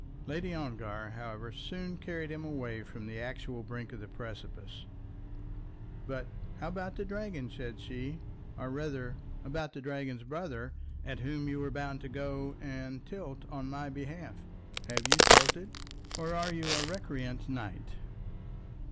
Lady Ongar, however, soon carried him away from the actual brink of the precipice. "But how about the dragon," said she, "or rather about the dragon's brother, at whom you were bound to go and tilt on my behalf? Have you tilted, or are you a recreant knight?"